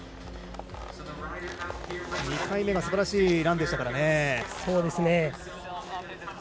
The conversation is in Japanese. ２回目がすばらしいランでしたからね。